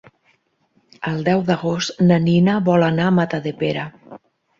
El deu d'agost na Nina vol anar a Matadepera.